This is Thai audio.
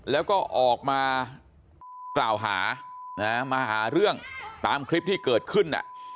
แล้วก็ออกมากล่าวหามาหาเรื่องตามคลิปที่เกิดขึ้น